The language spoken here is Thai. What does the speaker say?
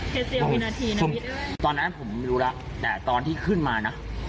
แค่เสียวินาทีนะวิทย์ด้วยตอนนั้นผมรู้แล้วแต่ตอนที่ขึ้นมาน่ะ